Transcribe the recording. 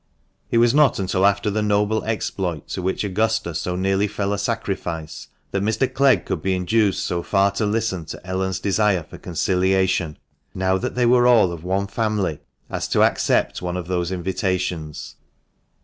It was not until after the noble exploit to which Augusta so nearly fell a sacrifice that Mr. Clegg could be induced so far to listen to Ellen's desire for conciliation, " now that they were all FF 434 THE MANCHESTER MAN. of one family," as to accept one of these invitations.